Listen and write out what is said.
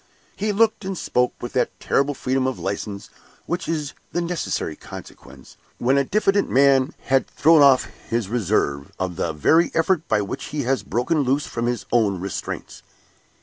He looked and spoke with that terrible freedom of license which is the necessary consequence, when a diffident man has thrown off his reserve, of the very effort by which he has broken loose from his own restraints.